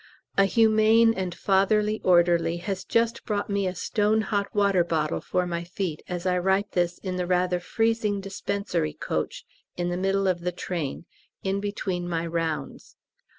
A humane and fatherly orderly has just brought me a stone hot water bottle for my feet as I write this in the rather freezing dispensary coach in the middle of the train, in between my rounds.